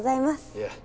いや。